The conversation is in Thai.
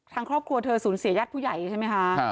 ทางครอบครัวเธอสูญเสียญาติผู้ใหญ่ใช่ไหมคะ